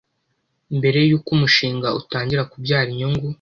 mbere y’uko umushinga utangira kubyara inyungu